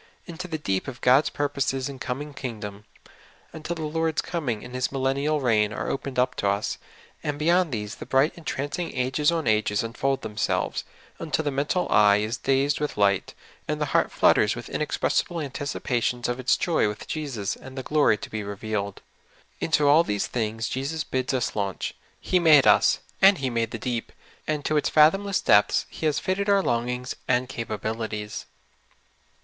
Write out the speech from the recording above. Into the deep of God's purposes and coming kingdom, until the I<ord's coming and His millennial reign are opened up to us ; and beyond these the bright entrancing ages on ages unfold themselves, until the mental eye is dazed with light, and the heart flutters with inexpressi ble anticipations of its joy with Jesus and the glory to be revealed. Into all these things Jesus bids us launch. He made us, and He made the deep, and to its fath omless depths He has fitted our longings and capabil ities.